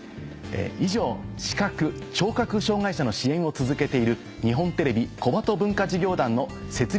以上視覚・聴覚障がい者の支援を続けている日本テレビ小鳩文化事業団の設立